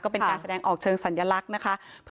เป็นการแสดงออกเชิงสัญลักษณ์นะคะ